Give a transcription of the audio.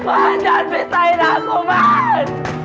mas jangan pisahin aku mas